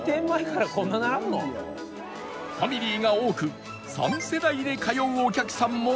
ファミリーが多く３世代で通うお客さんもいるほど